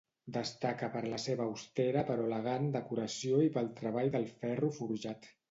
Destaca per la seva austera però elegant decoració i pel treball del ferro forjat.